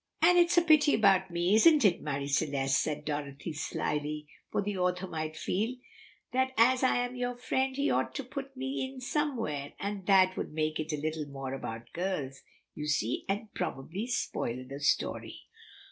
"And it's a pity about me, isn't it, Marie Celeste," said Dorothy slyly, "for the author might feel that as I am your friend he ought to put mein somewhere, and that would make it a little more about girls, you see, and probably spoil the story."